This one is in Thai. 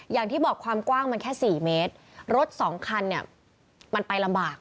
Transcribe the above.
อย่างที่บอกความกว้างมันแค่สี่เมตรรถสองคันเนี่ยมันไปลำบาก